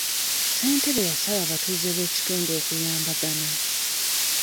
Ssentebe yasaba abatuuze b'ekitundu okuyambagana.